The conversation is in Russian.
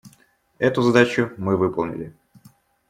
Эту задачу мы выполнили.